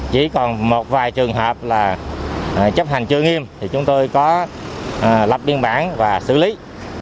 chỉ còn một vài trường hợp là chấp hành chưa nghiêm thì chúng tôi có lập biên bản và xử lý